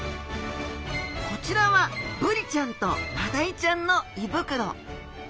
こちらはブリちゃんとマダイちゃんの胃袋。